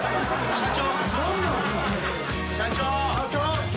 社長。